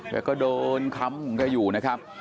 แกก็เดินค้ำแกอยู่นะครับ